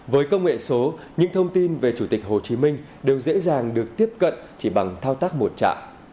với công nghệ số những thông tin về chủ tịch hồ chí minh đều dễ dàng được tiếp cận chỉ bằng thao tác một trạng